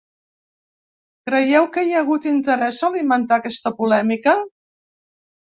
Creieu que hi ha hagut interès a alimentar aquesta polèmica?